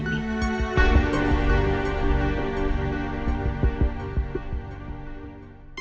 pasti ke mana